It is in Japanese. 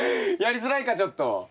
やりづらいかちょっと。